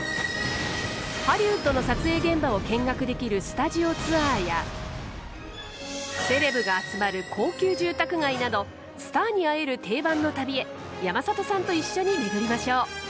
ハリウッドの撮影現場を見学できるスタジオツアーやセレブが集まる高級住宅街などスターに会える定番の旅へ山里さんと一緒に巡りましょう。